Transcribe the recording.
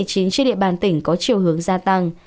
trên địa bàn tỉnh có triều hướng gia tăng